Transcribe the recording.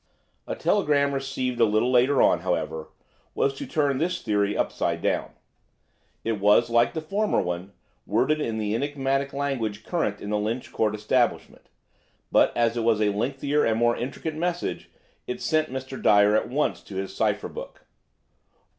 A telegram received a little later on, however, was to turn this theory upside down. It was, like the former one, worded in the enigmatic language current in the Lynch Court establishment, but as it was a lengthier and more intricate message, it sent Mr. Dyer at once to his cipher book.